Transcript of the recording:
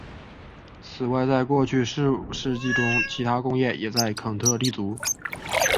此外在过去数世纪中其它工业也在肯特立足。